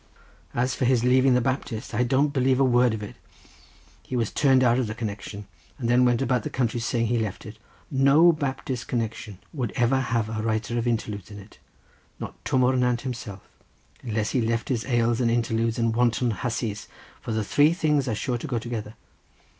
As for his leaving the Baptists I don't believe a word of it; he was turned out of the connection, and then went about the country saying he left it. No Baptist connection would ever have a writer of Interludes in it, not Twm o'r Nant himself, unless he left his ales and Interludes and wanton hussies, for the three things are sure to go together.